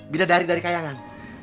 bila dari dari kayangan